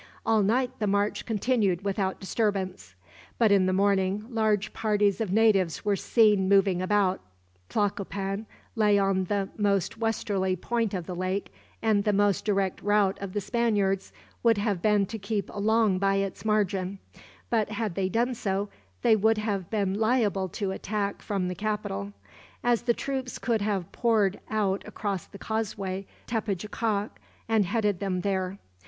All night the march continued without disturbance; but in the morning, large parties of natives were seen moving about. Tlacopan lay on the most westerly point of the lake, and the most direct route of the Spaniards would have been to keep along by its margin; but had they done so, they would have been liable to attack from the capital; as the troops could have poured out across the causeway to Tepejacac, and headed them there.